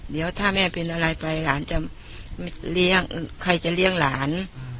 เดี๋ยวถ้าแม่เป็นอะไรไปหลานจะเลี้ยงใครจะเลี้ยงหลาน